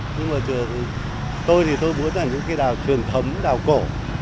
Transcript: nhưng mà tôi thì tôi muốn là những cái đào trường thấm đào cổ